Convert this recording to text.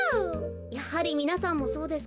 やはりみなさんもそうですか。